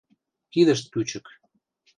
Кидышт кӱчык...